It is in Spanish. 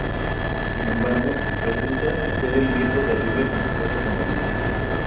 Sin embargo, resulta ser el Viejo Terrible con sus ojos amarillos.